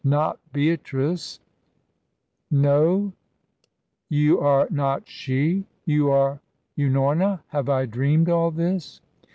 "Not Beatrice no you are not she you are Unorna! Have I dreamed all this?"